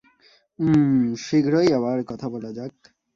উম, শীঘ্রই আবার কথা বলা যাক।